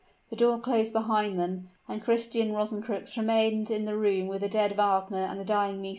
The door closed behind them, and Christian Rosencrux remained in the room with the dead Wagner and the dying Nisida.